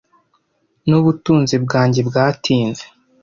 nubutunzi bwanjye bwatinze